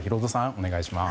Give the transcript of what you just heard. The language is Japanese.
お願いします。